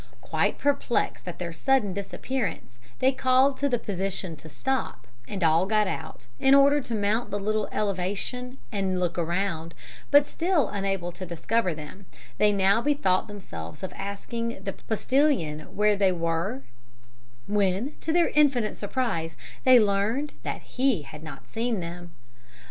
Quite perplexed at their sudden disappearance, they called to the postilion to stop, and all got out, in order to mount the little elevation and look around, but still unable to discover them, they now bethought themselves of asking the postilion where they were; when, to their infinite surprise, they learned that he had not seen them.